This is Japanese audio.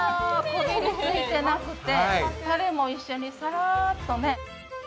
こびりついてなくてタレも一緒にサラーッとね。